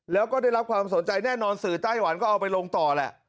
แล้วก็ได้รับความสนใจแน่นอนสื่อไต้หวันก็เอาไปลงต่อแหละ